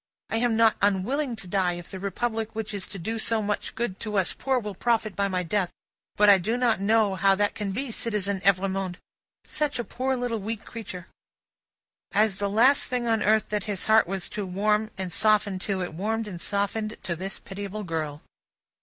I am not unwilling to die, if the Republic which is to do so much good to us poor, will profit by my death; but I do not know how that can be, Citizen Evrémonde. Such a poor weak little creature!" As the last thing on earth that his heart was to warm and soften to, it warmed and softened to this pitiable girl.